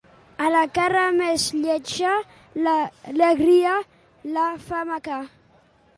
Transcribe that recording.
A la cara més lletja, l'alegria la fa maca.